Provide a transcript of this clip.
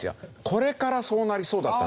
これからそうなりそうだって